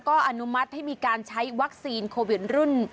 ก็อนุมัติให้มีการใช้วัคซีนโควิดรุ่น